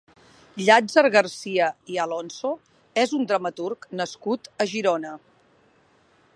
Llàtzer Garcia i Alonso és un dramaturg nascut a Girona.